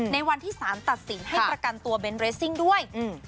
ในวันที่สารตัดสินให้ประกันตัวเบนทเรสซิ่งด้วย